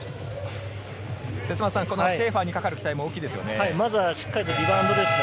節政さん、シェーファーにかかる期待も大きいですね。